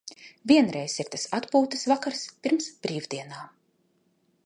Vienreiz ir tas atpūtas vakars pirms brīvdienām.